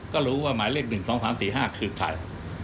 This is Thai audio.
ก็รู้ว่าหมายเลข๑๒๓๔๕คือใคร